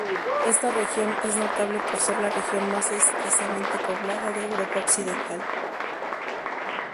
Esta región es notable por ser la región más escasamente poblada de Europa Occidental.